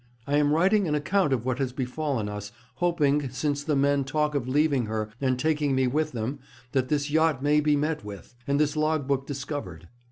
I am writing an account of what has befallen us, hoping, since the men talk of leaving her and taking me with them, that this yacht may be met with, and this log book discovered.